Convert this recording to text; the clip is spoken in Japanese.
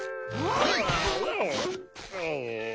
はい。